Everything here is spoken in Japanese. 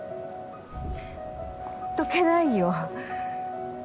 ほっとけないよ。